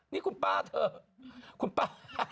นี่คุณป้าเถอะคุณป้า